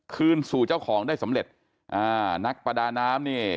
คืนสู่เจ้าของได้สำเร็จอ่านักประดาน้ำเนี่ย